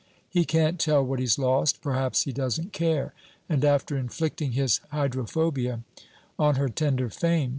He can't tell what he's lost; perhaps he doesn't care. And after inflicting his hydrophobia on her tender fame!